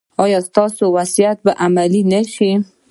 ایا ستاسو وصیت به عملي نه شي؟